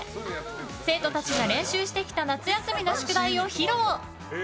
生徒たちが練習してきた夏休みの宿題を披露。